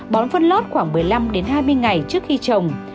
bón phân lót khoảng một mươi năm hai mươi ngày trước khi trồng